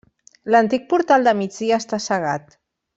L'antic portal de migdia està cegat.